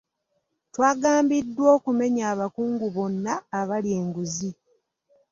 Twagambiddwa okumenya abakungu bonna abalya enguzi.